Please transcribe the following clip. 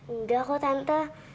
enggak kok tante